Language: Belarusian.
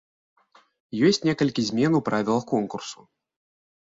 Ёсць некалькі змен у правілах конкурсу.